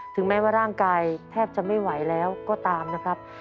ถึงแม้ว่าร่างกายแทบจะไม่ไหวแล้วก็ตามนะครับ